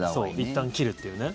いったん切るっていうね。